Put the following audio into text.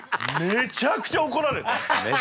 めちゃくちゃおこられた。